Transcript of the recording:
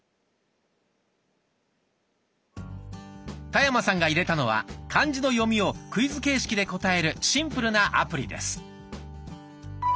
田山さんが入れたのは漢字の読みをクイズ形式で答えるシンプルなアプリです。